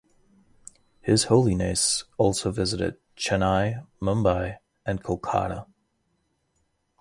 His Holiness also visited Chennai, Mumbai and Kolkata.